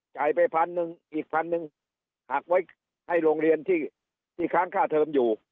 จ่ายไปพันหนึ่งอีกพันหนึ่งหักไว้ให้โรงเรียนที่ค้างค่าเทิมอยู่